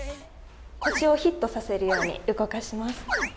腰をヒットさせるように動かします。